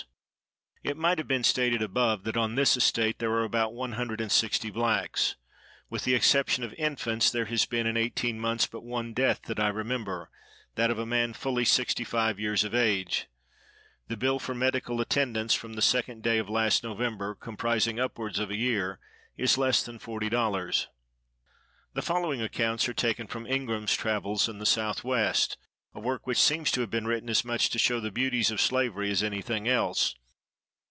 —It might have been stated above that on this estate there are about one hundred and sixty blacks. With the exception of infants, there has been, in eighteen months, but one death that I remember,—that of a man fully sixty five years of age. The bill for medical attendance, from the second day of last November, comprising upwards of a year, is less than forty dollars. The following accounts are taken from "Ingraham's Travels in the South west," a work which seems to have been written as much to show the beauties of slavery as anything else.